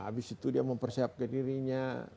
habis itu dia mempersiapkan dirinya